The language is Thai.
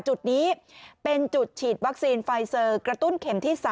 จุดนี้เป็นจุดฉีดวัคซีนไฟเซอร์กระตุ้นเข็มที่๓